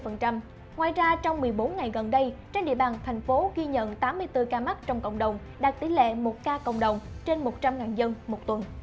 ngoài ra trong một mươi bốn ngày gần đây trên địa bàn thành phố ghi nhận tám mươi bốn ca mắc trong cộng đồng đạt tỷ lệ một ca cộng đồng trên một trăm linh dân một tuần